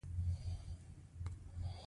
که له ځان سره اړيکه جوړه نشئ کړای.